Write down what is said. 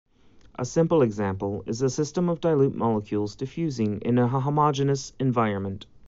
A simple example is a system of dilute molecules diffusing in a homogeneous environment.